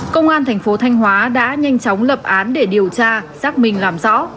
công an thành phố thanh hóa đã nhanh chóng lập án để điều tra xác minh làm rõ